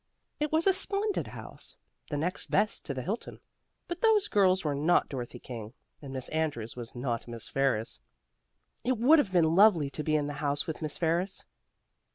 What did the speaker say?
It was a splendid house, the next best to the Hilton. But those girls were not Dorothy King, and Miss Andrews was not Miss Ferris. It would have been lovely to be in the house with Miss Ferris.